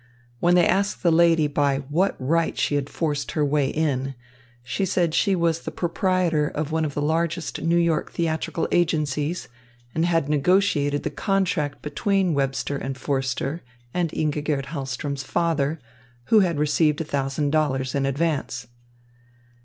When they asked the lady by what right she had forced her way in, she said she was the proprietor of one of the largest New York theatrical agencies and had negotiated the contract between Webster and Forster and Ingigerd Hahlström's father, who had received a thousand dollars in advance.